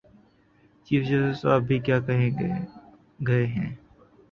Chief justice صاحب بھی کیا کہہ گئے ہیں؟